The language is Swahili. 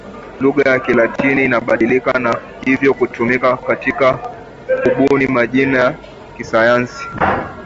Lugha ya Kilatini haibadiliki na hivyo hutumika katika kubuni majina ya kisayansi.